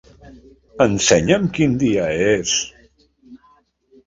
Ensenya'm quin dia és.